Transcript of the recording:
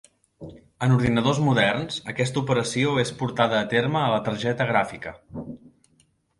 En ordinadors moderns, aquesta operació és portada a terme a la targeta gràfica.